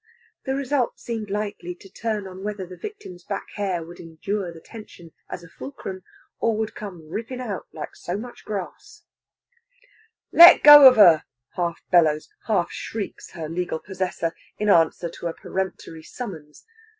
The result seemed likely to turn on whether the victim's back hair would endure the tension as a fulcrum, or would come rippin' out like so much grarse. "Let go of her!" half bellows, half shrieks her legal possessor, in answer to a peremptory summons.